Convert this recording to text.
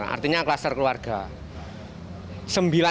artinya klaster keluarga